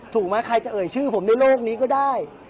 ถูกไหมใครจะเอ่ยชื่อผมในโลกนี้ก็ได้